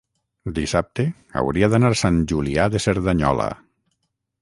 dissabte hauria d'anar a Sant Julià de Cerdanyola.